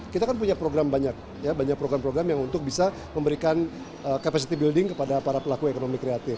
kita kan punya program banyak ya banyak program program yang untuk bisa memberikan capacity building kepada para pelaku ekonomi kreatif